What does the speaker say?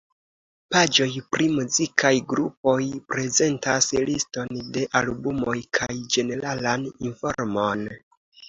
Paĝoj pri muzikaj grupoj prezentas liston de albumoj kaj ĝeneralan informon.